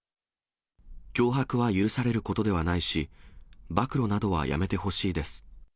脅迫は許されることではないし、暴露などはやめてほしいです。